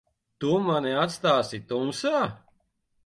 Tu mani atstāsi tumsā?